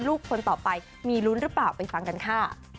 คนต่อไปมีลุ้นหรือเปล่าไปฟังกันค่ะ